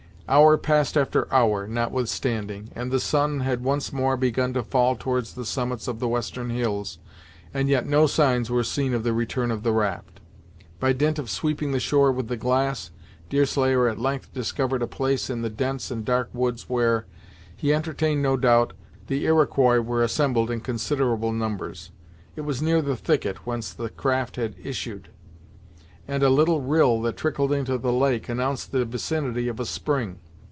Hour passed after hour, notwithstanding, and the sun had once more begun to fall towards the summits of the western hills, and yet no signs were seen of the return of the raft. By dint of sweeping the shore with the glass, Deerslayer at length discovered a place in the dense and dark woods where, he entertained no doubt, the Iroquois were assembled in considerable numbers. It was near the thicket whence the raft had issued, and a little rill that trickled into the lake announced the vicinity of a spring.